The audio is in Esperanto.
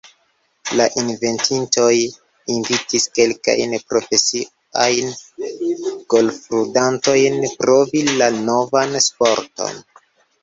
La inventintoj invitis kelkajn profesiajn golfludantojn provi la novan sporton.